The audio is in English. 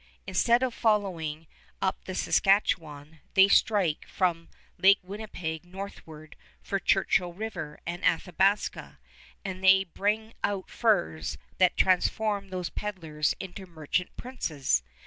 Instead of following up the Saskatchewan, they strike from Lake Winnipeg northward for Churchill River and Athabasca, and they bring out furs that transform those peddlers into merchant princes.